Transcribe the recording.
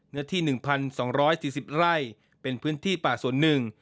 เนื้อที่๑๒๔๐ไร่เป็นพื้นที่ป่าส่วนหนึ่ง